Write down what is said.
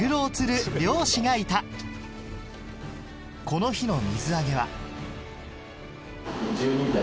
この日の水揚げは１２．６。